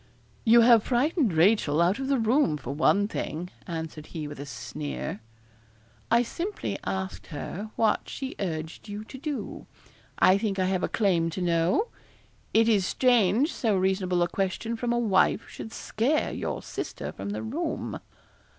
'You have frightened Rachel out of the room, for one thing,' answered he with a sneer. 'I simply asked her what she urged you to do I think I have a claim to know. It is strange so reasonable a question from a wife should scare your sister from the room.'